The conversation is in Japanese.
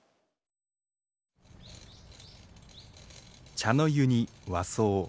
茶の湯に和装。